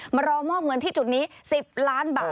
มารอมอบเงินที่จุดนี้๑๐ล้านบาท